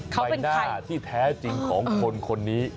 ใบหน้าที่แท้จริงของคนคนนี้